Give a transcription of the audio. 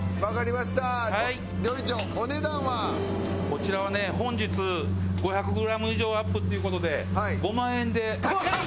こちらはね本日５００グラム以上あるっていう事で５万円で。